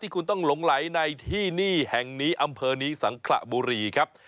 คุณต้องหลงไหลในที่นี่แห่งนี้อำเภอนี้สังขระบุรีครับ